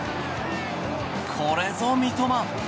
これぞ三笘。